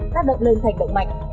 tác động lên thành động mạnh